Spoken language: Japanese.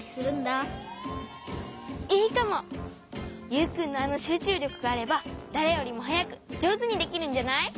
ユウくんのあのしゅうちゅうりょくがあればだれよりもはやくじょうずにできるんじゃない？